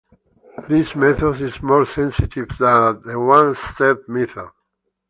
This method is more sensitive than the one-step method.